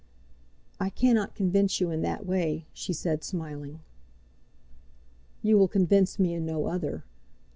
"I cannot convince you in that way," she said, smiling. "You will convince me in no other.